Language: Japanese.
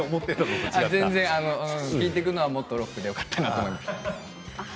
聴いていくのはもっとロックでよかったなと思いました。